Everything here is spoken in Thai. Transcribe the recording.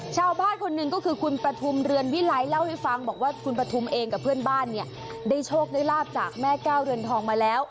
ชาวบ้านคนหนึ่งก็คือคุณประทุมเรือนวิไลเล่าให้ฟังบอกว่าคุณปฐุมเองกับเพื่อนบ้านเนี่ยได้โชคได้ลาบจากแม่แก้วเรือนทองมาแล้ว